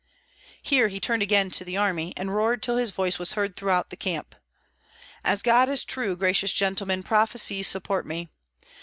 Here he turned again to the army, and roared till his voice was heard throughout the whole camp, "As God is true, gracious gentlemen, prophecies support me!